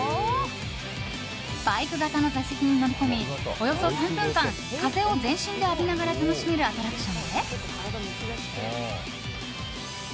バイク型の座席に乗り込みおよそ３分間風を全身で浴びながら楽しめるアトラクションで。